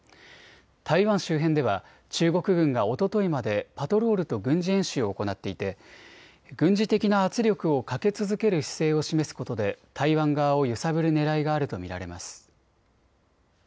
台湾周辺では中国軍がおとといまでパトロールと軍事演習を行っていて軍事的な圧力をかけ続ける姿勢を示すことで台湾側を揺さぶるねらいがあると見られます。